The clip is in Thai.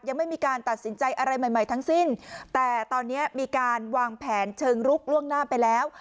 ยังไม่มีการตัดสินใจอะไรใหม่ใหม่ทั้งสิ้นแต่ตอนนี้มีการวางแผนเชิงลุกล่วงหน้าไปแล้ว